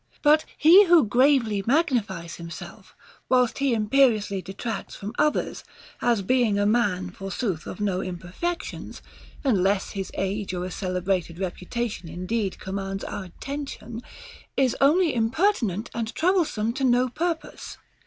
But he who gravely magnifies himself, whilst he imperiously de tracts from others, as being a man forsooth of no imper fections, unless his age or a celebrated reputation indeed commands our attention, is only impertinent and troublesome to no purpose.